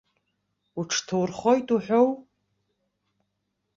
Уҽҭаурхоит уҳәоу!